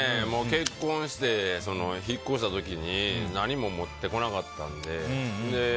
結婚して引っ越した時に何も持ってこなかったので。